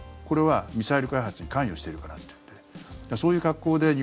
これはミサイル開発に関与しているからというので。